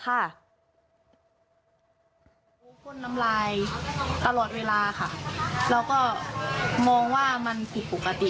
ก้นน้ำลายตลอดเวลาค่ะเราก็มองว่ามันผิดปกติ